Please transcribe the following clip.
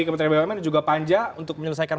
kementerian bumn dan juga panja untuk menyelesaikan